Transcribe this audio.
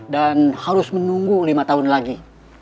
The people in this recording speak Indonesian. dan harus menunggu lima tahun lagi